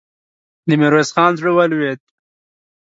د ميرويس خان زړه ولوېد.